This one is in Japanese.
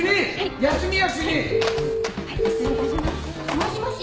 「もしもし？